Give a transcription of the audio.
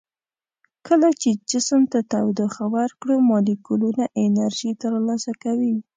کله چې جسم ته تودوخه ورکړو مالیکولونه انرژي تر لاسه کوي.